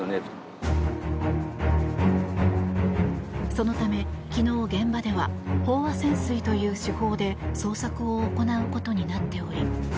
そのため昨日、現場では飽和潜水という手法で捜索を行うことになっており。